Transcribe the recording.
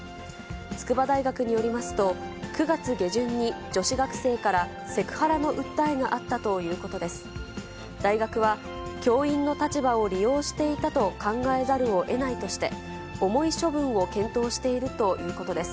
筑波大学によりますと、９月下旬に女子学生からセクハラの訴えがあったということです。